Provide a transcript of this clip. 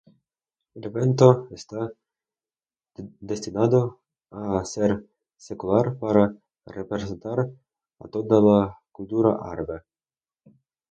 El evento está destinado a ser secular para representar a toda la cultura árabe.